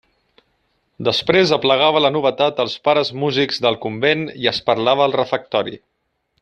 Després aplegava la novetat als pares músics del convent i es parlava al refectori.